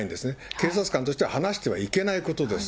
警察官としては話してはいけないことです。